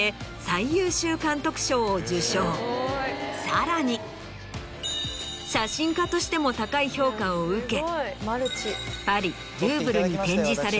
さらに写真家としても高い評価を受け。